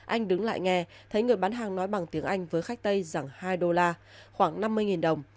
anh đứng lại nghe thấy người bán hàng nói bằng tiếng anh với khách tây rằng hai đô la khoảng năm mươi đồng